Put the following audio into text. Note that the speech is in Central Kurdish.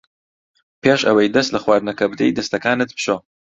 پێش ئەوەی دەست لە خواردنەکە بدەیت دەستەکانت بشۆ.